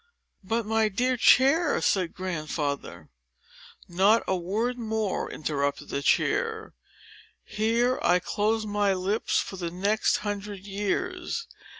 "But, my dear chair—" said Grandfather. "Not a word more," interrupted the chair; "here I close my lips for the next hundred years.